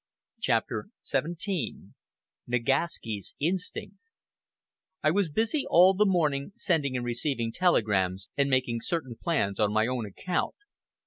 CHAPTER XVII NAGASKI'S INSTINCT I was busy all the morning sending and receiving telegrams, and making certain plans on my own account.